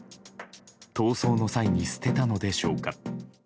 逃走の際に捨てたのでしょうか。